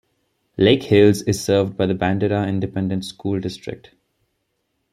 Lakehills is served by the Bandera Independent School District.